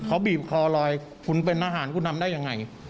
เขาบีบคอลอยคุณเป็นทหารคุณทำได้ยังไง